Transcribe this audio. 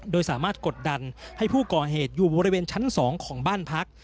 โดยสามารถกดดันให้ผู้ก่อเหตุอยู่บริเวณชั้น๒ของบ้านพัก